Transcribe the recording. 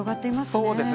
そうですね。